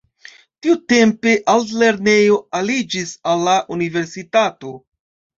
Tiutempe altlernejoj aliĝis al la universitato.